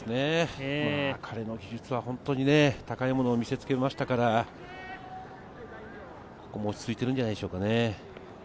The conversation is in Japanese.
彼の技術は本当に高いものを見せつけましたから、ここも落ち着いてるんじゃないでしょうかね。